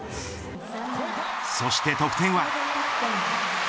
そして得点は。